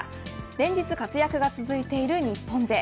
連日活躍が続いている日本勢。